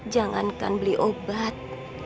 jangankan beli obat